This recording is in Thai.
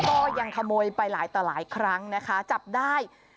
ก็ยังขโมยไปหลายครั้งนะคะจับได้